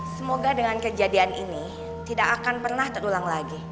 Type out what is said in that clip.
semoga dengan kejadian ini tidak akan pernah terulang lagi